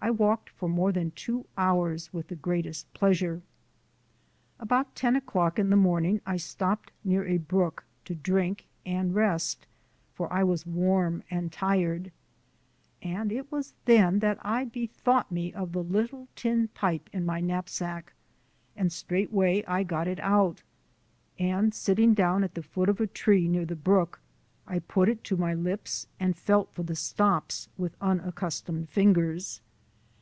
I walked for more than two hours with the greatest pleasure. About ten o'clock in the morning I stopped near a brook to drink and rest, for I was warm and tired. And it was then that I bethought me of the little tin pipe in my knapsack, and straightway I got it out, and, sitting down at the foot of a tree near the brook, I put it to my lips and felt for the stops with unaccustomed fingers.